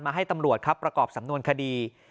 ให้ตำรวจครับประกอบสำนวนคดี